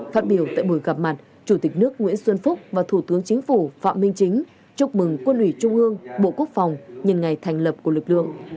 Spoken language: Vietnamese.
phát biểu tại buổi gặp mặt chủ tịch nước nguyễn xuân phúc và thủ tướng chính phủ phạm minh chính chúc mừng quân ủy trung ương bộ quốc phòng nhân ngày thành lập của lực lượng